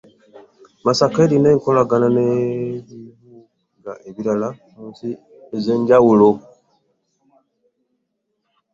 Masaka erina enkolagana n’ebibuga ebirala mu nsi ez’enjawulo